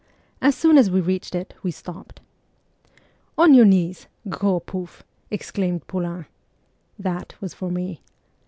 As soon as we reached it we stopped. ' On your knees, gros pouft !' exclaimed Poulain. (That was for me.)